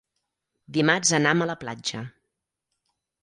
Dimarts anam a la platja.